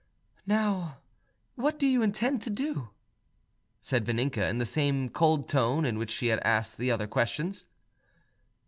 "Now, what do you intend to do?" said Vaninka in the same cold tone in which she had asked the other questions.